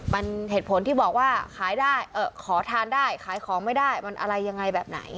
มันเหตุผลที่บอกว่าขายได้ขอทานได้ขายของไม่ได้มันอะไรยังไงแบบไหน